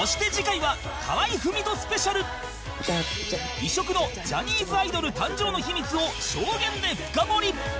異色のジャニーズアイドル誕生の秘密を証言で深掘り！